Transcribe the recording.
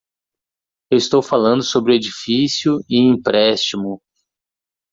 Eu estou falando sobre o edifício e empréstimo.